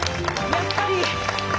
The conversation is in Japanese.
やっぱりだ。